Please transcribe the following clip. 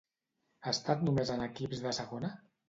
Ha estat només en equips de segona?